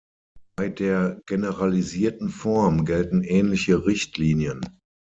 Bei der "generalisierten Form" gelten ähnliche Richtlinien.